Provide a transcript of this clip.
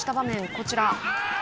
こちら。